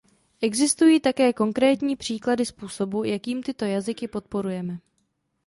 Existují také konkrétní příklady způsobu, jakým tyto jazyky podporujeme.